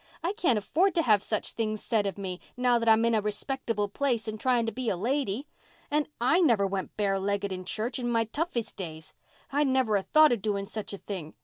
I can't afford to have such things said of me, now that I'm in a respectable place and trying to be a lady. And I never went bare legged in church in my toughest days. I'd never have thought of doing such a thing.